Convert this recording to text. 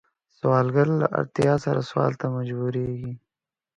سوالګر له اړتیا سره سوال ته مجبوریږي